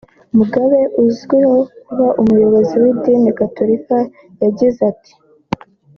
Mugabe uzwiho kuba umuyoboke w’idini Gatulika yagize ati